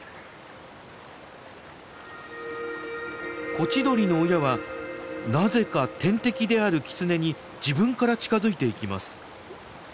コチドリの親はなぜか天敵であるキツネに自分から近づいていきます。